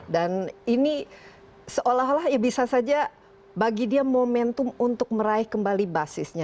dan ini seolah olah ya bisa saja bagi dia momentum untuk meraih kembali basisnya